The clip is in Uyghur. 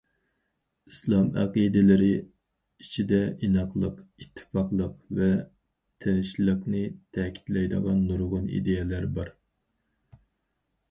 ئىسلام ئەقىدىلىرى ئىچىدە ئىناقلىق، ئىتتىپاقلىق ۋە تىنچلىقنى تەكىتلەيدىغان نۇرغۇن ئىدىيەلەر بار.